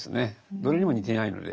どれにも似ていないので。